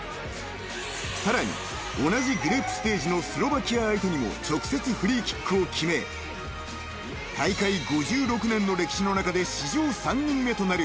［さらに同じグループステージのスロバキア相手にも直接フリーキックを決め大会５６年の歴史の中で］